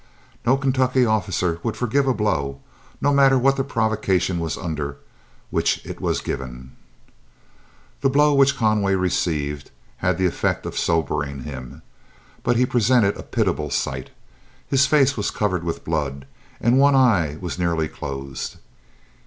No Kentucky officer would forgive a blow, no matter what the provocation was under which it was given. The blow which Conway received had the effect of sobering him, but he presented a pitiable sight. His face was covered with blood, and one eye was nearly closed.